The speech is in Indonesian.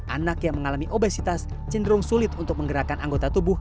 anak yang mengalami obesitas cenderung sulit untuk menggerakkan anggota tubuh